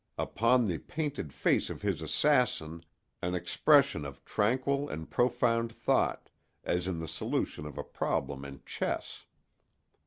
—upon the painted face of his assassin an expression of tranquil and profound thought, as in the solution of a problem in chess!